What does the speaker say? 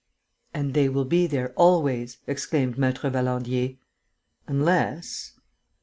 "And they will be there always," exclaimed Maître Valandier. "Unless ...